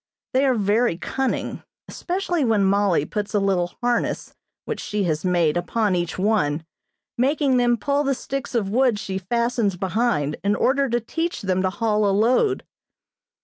They are very cunning, especially when Mollie puts a little harness which she has made upon each one, making them pull the sticks of wood she fastens behind in order to teach them to haul a load.